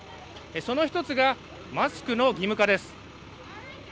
その一つがマスクの義務化です